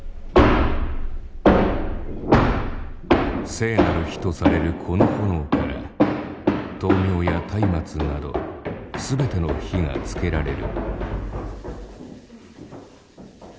聖なる火とされるこの炎から灯明や松明など全ての火がつけられる。